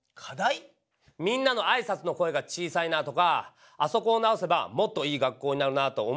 「みんなのあいさつの声が小さいな」とか「あそこを直せばもっといい学校になるな」と思うことあるだろ？